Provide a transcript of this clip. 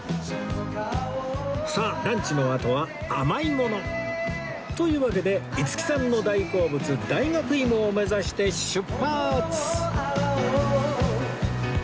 さあランチのあとは甘いものというわけで五木さんの大好物大学芋を目指して出発！